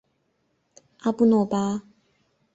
阿布诺巴。